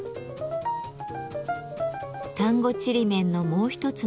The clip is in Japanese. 丹後ちりめんのもう一つの特徴